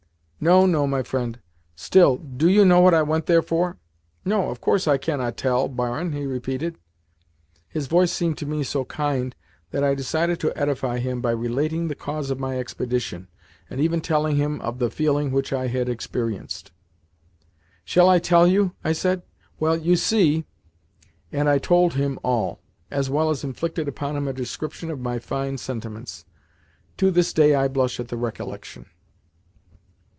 "No, no, my friend. Still, DO you know what I went there for?" "No, of course I cannot tell, barin," he repeated. His voice seemed to me so kind that I decided to edify him by relating the cause of my expedition, and even telling him of the feeling which I had experienced. "Shall I tell you?" I said. "Well, you see," and I told him all, as well as inflicted upon him a description of my fine sentiments. To this day I blush at the recollection.